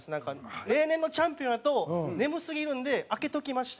例年のチャンピオンやと眠すぎるんで空けておきましたみたいな。